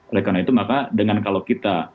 oleh karena itu maka dengan kalau kita